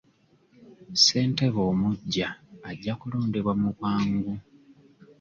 Ssentebe omuggya ajja kulondebwa mu bwangu.